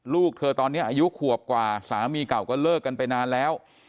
ลูกเธอตอนนี้อายุขวบกว่าสามีเก่าก็เลิกกันไปนานแล้ว